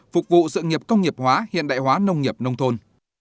phục vụ sự nghiệp công nghiệp hóa hiện đại hóa nông nghiệp nông thôn